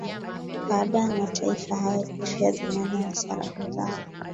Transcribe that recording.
baada ya mataifa hayo kushusha dhamana ya sarafu zao